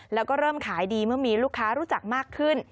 แล้วก็เริ่มขายดีเมื่อมีลูกค้ารู้จักมากขึ้น